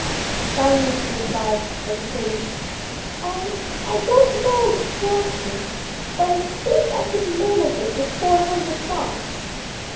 Finally she replied hesitating: âI don't know exactly, but I think I could manage it with four hundred francs.